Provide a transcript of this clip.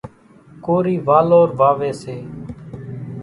ڪورِي والور واويَ سي۔